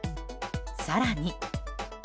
更に。